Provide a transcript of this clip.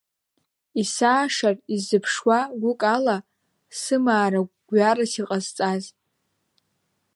Есаашар исзыԥшуа гәыкала, сымаара гәҩарас иҟазҵаз!